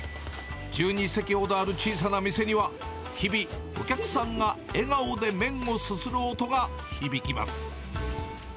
１２席ほどある小さな店には、日々、お客さんが笑顔で麺をすする音が響きます。